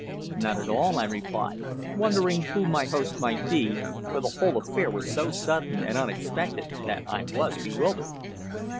"Not at all," I replied, wondering who my host might be, for the whole affair was so sudden and unexpected that I was bewildered.